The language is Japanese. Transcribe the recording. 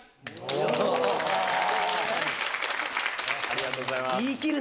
ありがとうございます。